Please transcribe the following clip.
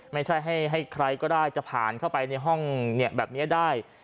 ไม่ใช่ให้ใครก็ได้จะผ่านเข้าไปในห้องแบบนี้ได้